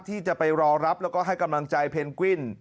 ที่จะไปรอรับแล้วก็ให้กำลังใจเพนกวิ้น